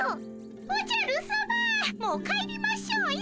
おじゃるさまもう帰りましょうよ。